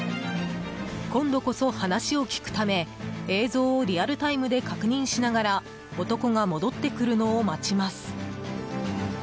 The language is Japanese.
今度こそ話を聞くため、映像をリアルタイムで確認しながら男が戻ってくるのを待ちます。